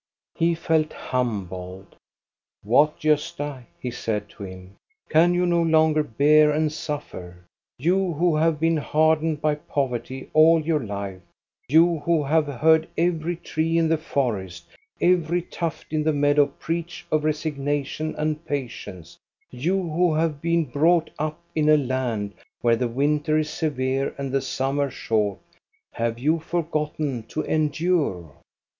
He felt humbled. "What, Gosta," he said to him '," can you no longer bear and suffer ? You who 314 THE STORY OF GOSTA BERUNG have been hardened by poverty all your life, you who have heard every tree in the forest, every tuft in the meadow preach of resignation and patience, you who have been brought up in a land where the winter is severe and the .summer short, — have you forgotten how to endure?"